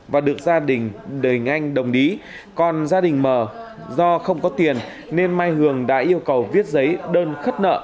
và được gia đình đời nganh đồng lý còn gia đình mờ do không có tiền nên mai hường đã yêu cầu viết giấy đơn khất nợ